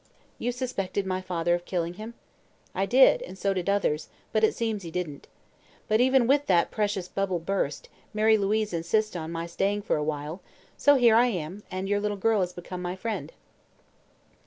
"You suspected my father of killing him?" "I did; and so did others; but it seems he didn't. But, even with that precious bubble burst, Mary Louise insists on my staying for a visit; so here I am, and your little girl has become my friend."